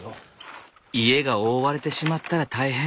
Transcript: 家が覆われてしまったら大変。